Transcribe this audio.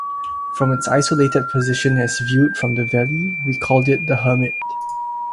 From its isolated position as viewed from the valley we called it the Hermit.